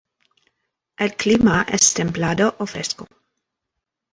El clima es templado o fresco.